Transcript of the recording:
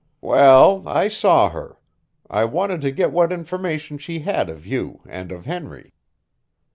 "Well, I saw her. I wanted to get what information she had of you and of Henry."